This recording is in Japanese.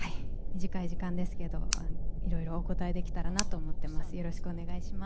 短い時間ですけれどいろいろお答えできたらなと思っています。